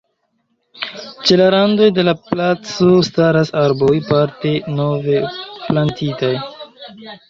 Ĉe la randoj de la placo staras arboj, parte nove plantitaj.